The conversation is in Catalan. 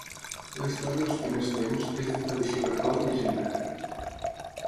La història als primers tems és de tradició verbal i llegendària.